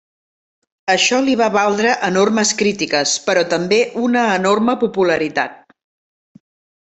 Això li va valdre enormes crítiques, però també una enorme popularitat.